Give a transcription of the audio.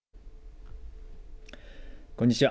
こんにちは。